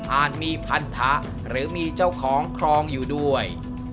มีพันธะหรือมีเจ้าของครองอยู่ด้วย